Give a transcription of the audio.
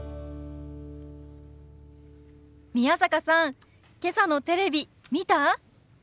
宮坂さんけさのテレビ見た？